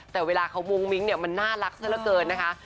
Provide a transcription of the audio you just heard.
แต่เวลาเขามุ้งมิ้งเนี่ยมันน่ารักซะละเกินนะคะ